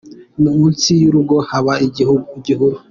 munsi yurugo haba igihuru